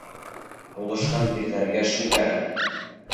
Һуғышҡан ирҙәргә шул кәрәк!